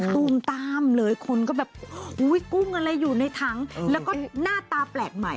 ตูมตามเลยคนก็แบบอุ๊ยกุ้งอะไรอยู่ในถังแล้วก็หน้าตาแปลกใหม่